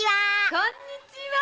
こんにちは。